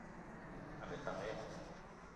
A ne tank ya ?